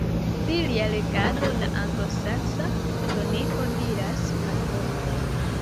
Pri lia regado la Anglosaksa Kroniko diras malmulte.